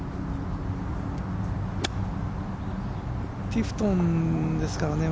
ティフトンですからね。